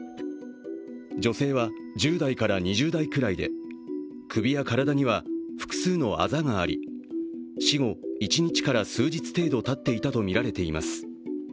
女性は１０代から２０代くらいで、首や体には複数のあざがあり、死後１日から数日程度たっていたとみられています。